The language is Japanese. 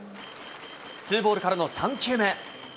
ツーボールからの３球目。